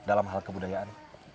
dalam hal kebudayaan